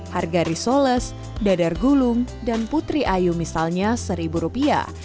harga risoles dadar gulung dan putri ayu misalnya seribu rupiah